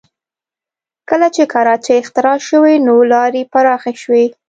کله چې کراچۍ اختراع شوې نو لارې پراخه شوې